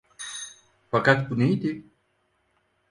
Fakat bu neydi?